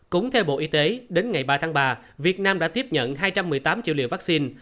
cũng theo bộ y tế đến ngày ba tháng ba việt nam đã tiếp nhận hai trăm một mươi tám triệu liều vaccine